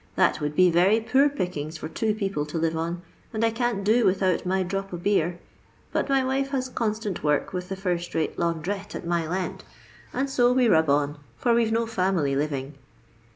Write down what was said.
That would bo very poor pickings for two people to live on, and I can't do without my drop of beer, but my wife has constant work with a first rate laundress at Mile End, and so we rub on, for we *ve no family living."